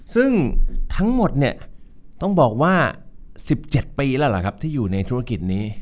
ซึ่งทั้งหมดเนี่ยต้องบอกว่า๑๗ปีแล้วเหรอครับที่อยู่ในธุรกิจนี้